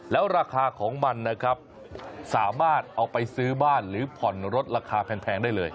แล้วราคาของมันนะครับสามารถเอาไปซื้อบ้านหรือผ่อนรถราคาแพงได้เลย